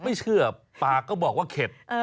ไม่เชื่อปากก็บอกว่าเข็ด